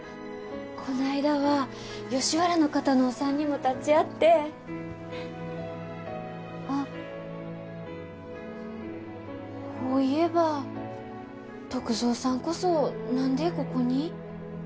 こないだは吉原の方のお産にも立ち会ってあッほういえば篤蔵さんこそ何でここに？